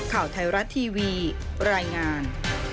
ข่าวไทยรัฐทีวีรายงาน